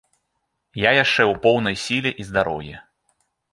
Я яшчэ ў поўнай сіле і здароўі.